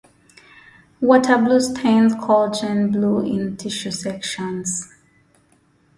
Water blue stains collagen blue in tissue sections.